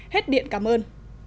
hết điện cảm ơn